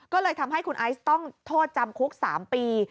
ก็เลยทำให้คุณไอซ์ต้องโทษจำคุก๓ปี